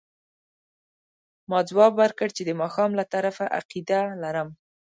ما ځواب ورکړ چې د ماښام له طرفه عقیده لرم.